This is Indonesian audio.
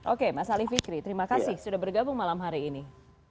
oke mas ali fikri terima kasih sudah bergabung malam hari ini